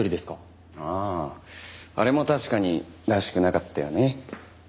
あああれも確かにらしくなかったよね。